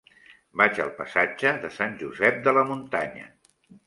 Vaig al passatge de Sant Josep de la Muntanya.